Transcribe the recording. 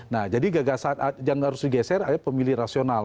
nah jadi gagasan yang harus digeser adalah pemilih rasional